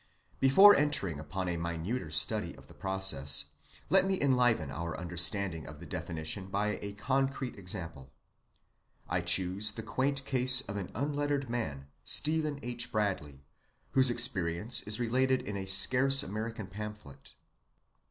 Before entering upon a minuter study of the process, let me enliven our understanding of the definition by a concrete example. I choose the quaint case of an unlettered man, Stephen H. Bradley, whose experience is related in a scarce American pamphlet.